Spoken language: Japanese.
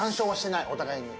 お互いに。